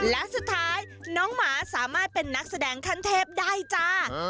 และสุดท้ายน้องหมาสามารถเป็นนักแสดงขั้นเทพได้จ้า